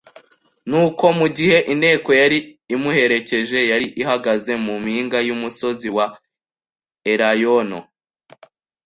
Nuko mu gihe inteko yari imuherekeje yari ihagaze mu mpinga y'umusozi wa Elayono